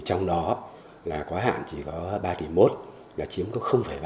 trong đó là quá hạn chỉ có ba tỷ mốt là chiếm có ba